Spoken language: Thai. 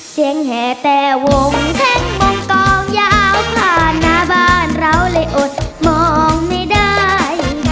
แห่แต่วงแท่นมงกองยาวผ่านหน้าบ้านเราเลยอดมองไม่ได้